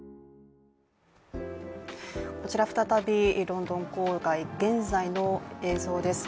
こちら再びロンドン郊外、現在の映像です。